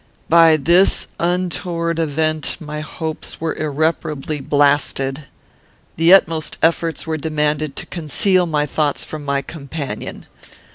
"By this untoward event my hopes were irreparably blasted. The utmost efforts were demanded to conceal my thoughts from my companion.